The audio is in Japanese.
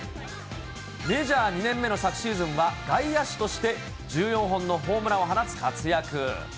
メジャー２年目の昨シーズンは、外野手として１４本のホームランを放つ活躍。